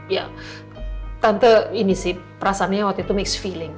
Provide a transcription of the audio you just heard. ya tante ini sih perasaannya waktu itu mixed feeling